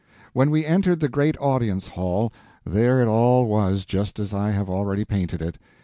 When we entered the great audience hall, there it all was just as I have already painted it.